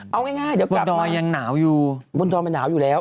เอาง่ายเดี๋ยวก่อนดอยยังหนาวอยู่บนดอยมันหนาวอยู่แล้ว